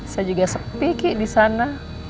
saya juga sepi ki di sana